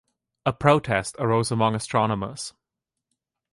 A protest arose among astronomers.